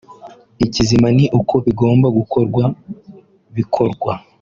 Ikizima ni uko ibigomba gukorwa bikorwa